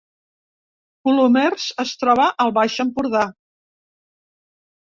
Colomers es troba al Baix Empordà